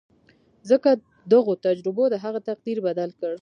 ځکه دغو تجربو د هغه تقدير بدل کړ.